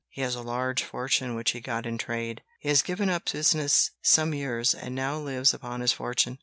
He has a large fortune which he got in trade. He has given up business some years, and now lives upon his fortune.